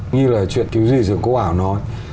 như là chuyện kiếm duy trưởng có bảo nói